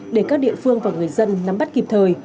để các địa phương và người dân nắm bắt kịp thời